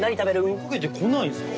追いかけてこないんすか？